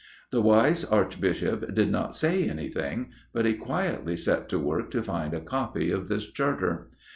The wise Archbishop did not say anything, but he quietly set to work to find a copy of this Charter.